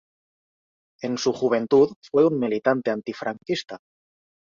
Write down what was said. En su juventud fue un militante antifranquista.